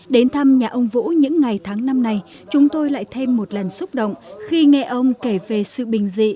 đến thăm nhà ông vũ những ngày tháng năm này chúng tôi lại thêm một lần xúc động khi nghe ông kể về sự bình dị